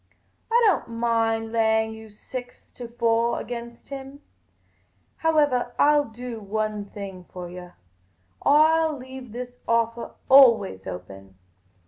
I don't mind laying you six to four against him. Howevah, I '11 do one thing for yah : I '11 leave this offah always open.